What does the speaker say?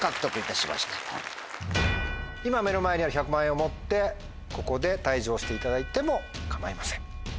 今目の前にある１００万円を持ってここで退場していただいても構いません。